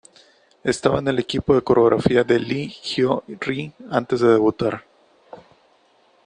Estaba en el equipo de coreografía de Lee Hyo Ri antes de debutar.